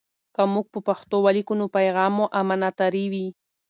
که موږ په پښتو ولیکو، نو پیغام مو امانتاري وي.